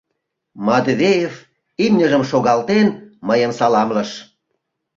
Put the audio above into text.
— Матвеев, имньыжым шогалтен, мыйым саламлыш.